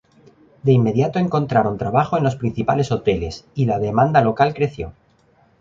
De inmediato encontraron trabajo en los principales hoteles y la demanda local creció.